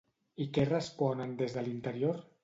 I què responen des de l'interior?